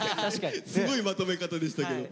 すごいまとめ方でしたけど。